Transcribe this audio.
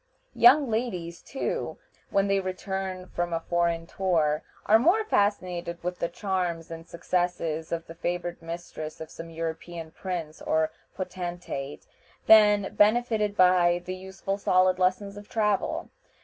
Young ladies, too, when they return from a foreign tour, are more fascinated with the charms and successes of the favored mistress of some European prince or potentate than benefited by the useful solid lessons of travel.